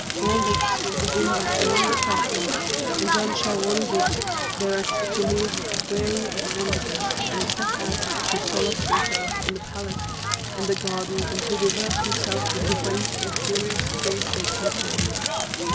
All this was in that one apartment and Janshah wondered thereat till he was weary of wonderment; and he set out to solace himself in the palace and the garden and to divert himself with the quaint and curious things they contained.